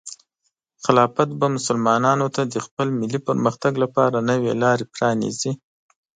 خلافت به مسلمانانو ته د خپل ملي پرمختګ لپاره نوې لارې پرانیزي.